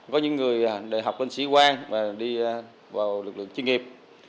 có những người đại học lên sĩ quan và đi vào lực lượng chuyên nghiệp